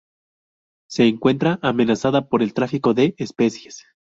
Se encuentra amenazada por el tráfico de especies.